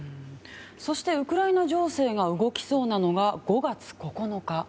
そして、ウクライナ情勢が動きそうなのが５月９日。